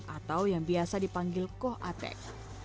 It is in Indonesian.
atau yang biasa dipanggil koh atek